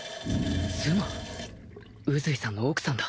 宇髄さんの奥さんだ